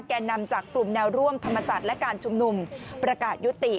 แก่นำจากกลุ่มแนวร่วมธรรมศาสตร์และการชุมนุมประกาศยุติ